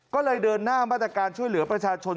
ก็เลยเดินหน้ามาตรการช่วยเหลือประชาชน